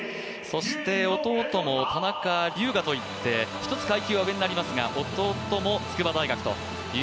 そして弟の田中龍雅といって、１つ階級は上になりますが弟も筑波大学という。